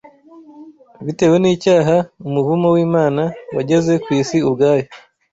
Bitewe n’icyaha, umuvumo w’Imana wageze ku isi ubwayo